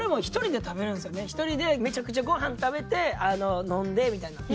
一人でめちゃくちゃご飯食べて飲んでみたいな。